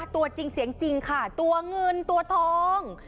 ตัวจริงเสียงจริงค่ะตัวเงินตัวทอง